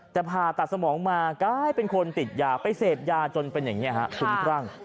แต่ผ่าตัดสมองมากลายเป็นคนติดยาไปเสพยาจนเป็นอย่างนี้ฮะคุ้มครั่ง